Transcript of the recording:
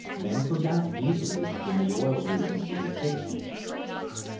Men forgot easily in the Oil Regions in the sixties.